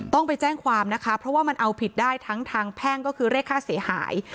ต้องไปแจ้งความนะคะเพราะว่ามันเอาผิดได้ทั้งทางแพ่งก็คือเรียกค่าเสียหาย